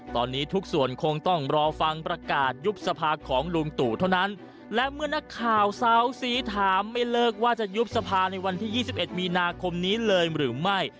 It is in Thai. ตอนนี้ทุกส่วนคงต้องรอฟังประกาศยุบสภาของลุงตู่เท่านั้นและเมื่อนักข่าวเสาสีถามไม่เลิกว่าจะยุบสภาในวันที่๒๑มีนาคมนี้เลยหรือไม่